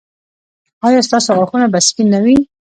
ایا ستاسو غاښونه به سپین نه وي؟